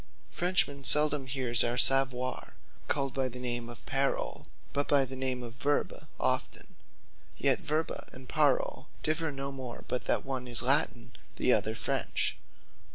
A Frenchman seldome hears our Saviour called by the name of Parole, but by the name of Verbe often; yet Verbe and Parole differ no more, but that one is Latin, the other French.